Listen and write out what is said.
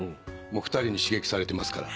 もう２人に刺激されてますから。